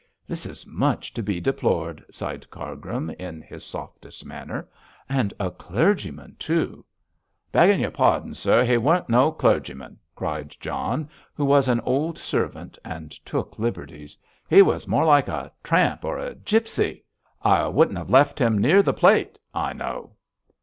this is much to be deplored,' sighed Cargrim, in his softest manner. 'And a clergyman too.' 'Beggin' your pardon, sir, he weren't no clergyman,' cried John, who was an old servant and took liberties; 'he was more like a tramp or a gipsy. I wouldn't have left him near the plate, I know.'